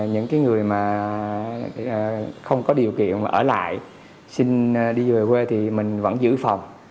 những người mà không có điều kiện mà ở lại xin đi về quê thì mình vẫn giữ phòng